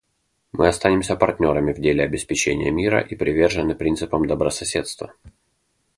Мы остаемся партнерами в деле обеспечения мира и привержены принципам добрососедства.